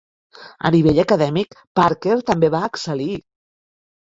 A nivell acadèmic, Parker també va excel·lir.